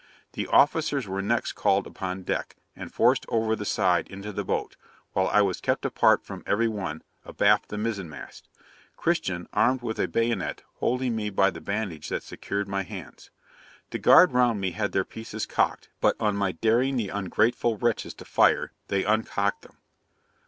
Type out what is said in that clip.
'The officers were next called upon deck, and forced over the side into the boat, while I was kept apart from every one, abaft the mizen mast; Christian, armed with a bayonet, holding me by the bandage that secured my hands. The guard round me had their pieces cocked, but on my daring the ungrateful wretches to fire, they uncocked them.